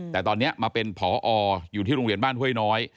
แต่ตอนนี้มาเป็นผออยู่ที่โรงเรียนบ้านห้วยน้อย